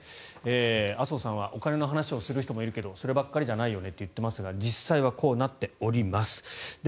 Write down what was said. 麻生さんはお金の話をする人もいるけどそればっかりじゃないよねと言っていますが実際はこうなっております。